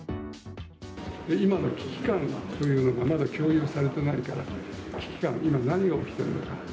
今の危機感というのがそういうのがまだ共有されてないから、危機感、今、何が起きているのか。